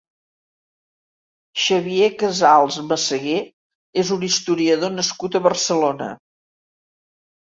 Xavier Casals Meseguer és un historiador nascut a Barcelona.